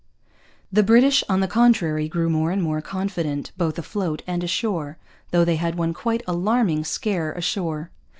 The British, on the contrary, grew more and more confident, both afloat and ashore, though they had one quite alarming scare ashore.